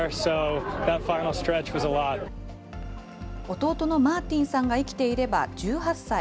弟のマーティンさんが生きていれば１８歳。